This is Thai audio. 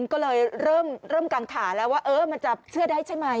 ก็เลยเริ่มกังขาแล้วว่ามันจะเชื่อได้ใช่ไหม